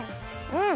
うん！